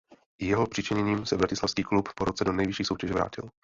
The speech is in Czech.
I jeho přičiněním se bratislavský klub po roce do nejvyšší soutěže vrátil.